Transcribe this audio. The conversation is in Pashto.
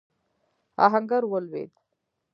آهنګر ولوېد.